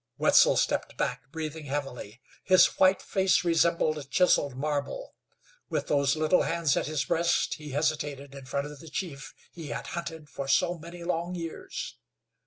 Wetzel stepped back breathing heavily. His white face resembled chiseled marble. With those little hands at his breast he hesitated in front of the chief he had hunted for so many long years.